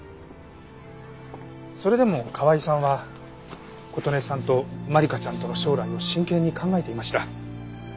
それでも川井さんは琴音さんと万理華ちゃんとの将来を真剣に考えていました。